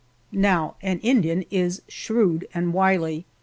Now an Indian is shrewd and wily!